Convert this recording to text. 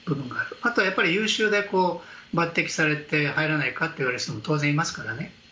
あとはやっぱり優秀で抜てきされて入らないか？と言われる人も当然いますからね。